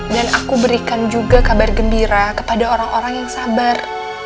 dan aku berikan juga kabar gembira kepada orang orang yang sabar